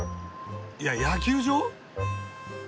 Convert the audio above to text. いや野球場？